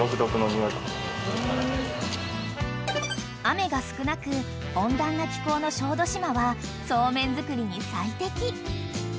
［雨が少なく温暖な気候の小豆島はそうめん作りに最適］